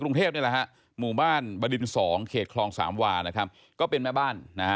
กรุงเทพฯหมู่บ้านบดิน๒เขตคลอง๓วาเป็นแม่บ้าน